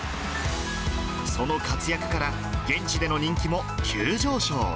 その活躍から、現地での人気も急上昇。